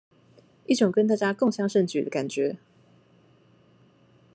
一種跟大家共襄盛舉的感覺